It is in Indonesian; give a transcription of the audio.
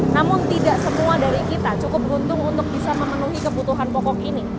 namun tidak semua dari kita cukup beruntung untuk bisa memenuhi kebutuhan pokok ini